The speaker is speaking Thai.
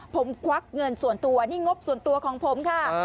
ผมควักเงินส่วนตัวนี่งบส่วนตัวของผมค่ะ